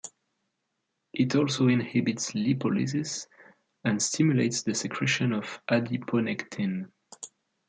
It also inhibits lipolysis and stimulates the secretion of adiponectin.